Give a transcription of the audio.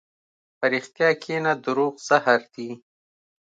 په رښتیا کښېنه، دروغ زهر دي.